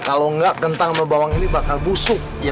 kalau enggak kentang atau bawang ini bakal busuk